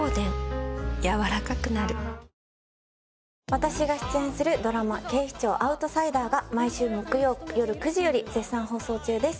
私が出演するドラマ『警視庁アウトサイダー』が毎週木曜よる９時より絶賛放送中です。